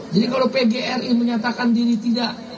jadi kalau pgri menyatakan diri tidak